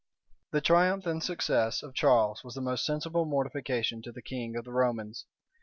The triumph and success of Charles was the most sensible mortification to the king of the Romans.